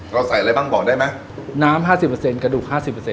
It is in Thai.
เราใส่อะไรบ้างบอกได้ไหมน้ำ๕๐กระดูก๕๐